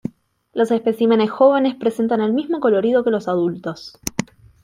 Los especímenes jóvenes presentan el mismo colorido que los adultos.